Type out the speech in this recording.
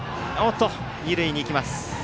二塁に行きます。